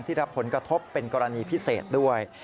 รับผลกระทบเป็นกรณีพิเศษด้วย